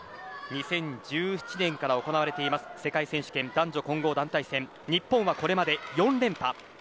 ２０１７年から行われている世界選手権男女混合団体戦日本はこれまで４連覇。